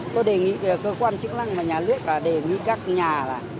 tôi đề nghị cơ quan chức năng và nhà nước là đề nghị các nhà là